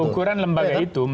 ya ukuran lembaga itu